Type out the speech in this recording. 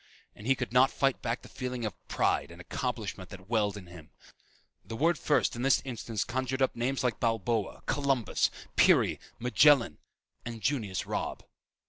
And he could not fight back the feeling of pride and accomplishment that welled in him. The word "first" in this instance conjured up names like Balboa, Columbus, Peary, Magellan and Junius Robb.